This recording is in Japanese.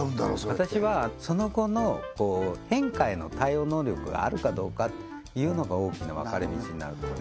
私はその後の変化への対応能力があるかどうかっていうのが大きな分かれ道になると思うね